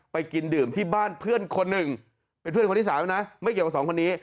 ไปกินดื่มที่บ้านเพื่อนคนหนึ่งเป็นเพื่อนคนที่สามนะไม่เกี่ยวกับสองคนนี้